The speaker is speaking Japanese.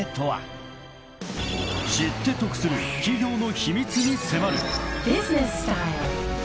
［知って得する企業の秘密に迫る］